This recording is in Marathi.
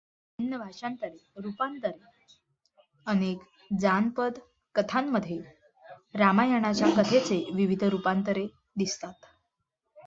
विभिन्न भाषांतरे रूपांतरे अनेक जानपद कथांमध्ये रामायणाच्या कथेचे विविध रूपांतरे दिसतात.